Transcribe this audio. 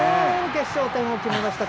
決勝点を決めました。